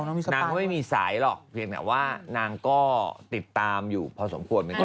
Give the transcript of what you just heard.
นางก็ไม่มีสายหรอกเพียงแต่ว่านางก็ติดตามอยู่พอสมควรเหมือนกัน